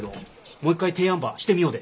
もう一回提案ばしてみようで。